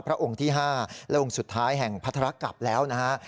องค์ที่๕และองค์สุดท้ายแห่งพัทรกลับแล้วนะฮะ